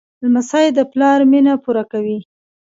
لمسی د پلار مینه پوره کوي.